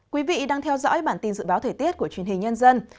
quý vị đang theo dõi bản tin dự báo thời tiết của truyền hình nhân dân